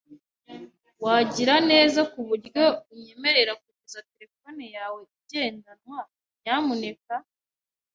Wagira neza kuburyo unyemerera kuguza terefone yawe igendanwa, nyamuneka?